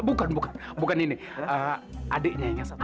bukan bukan bukan ini adiknya yang satu lagi